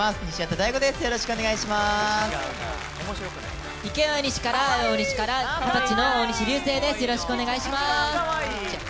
大西から、二十歳の大西流星です